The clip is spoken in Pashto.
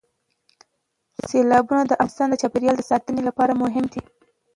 سیلابونه د افغانستان د چاپیریال ساتنې لپاره مهم دي.